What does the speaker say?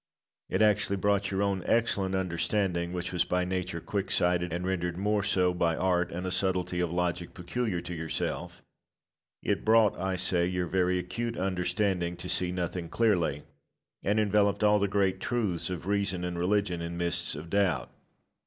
It actually brought your own excellent understanding, which was by nature quick sighted, and rendered more so by art and a subtlety of logic peculiar to yourself it brought, I say, your very acute understanding to see nothing clearly, and enveloped all the great truths of reason and religion in mists of doubt.